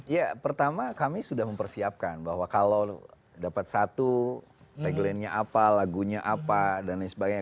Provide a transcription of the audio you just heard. ya pertama kami sudah mempersiapkan bahwa kalau dapat satu tagline nya apa lagunya apa dan lain sebagainya